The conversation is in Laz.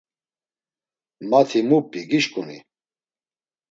Mati mu p̌i gişǩuni?